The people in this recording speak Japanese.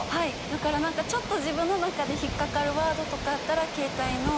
だから何かちょっと自分の中で引っかかるワードとかあったら携帯の。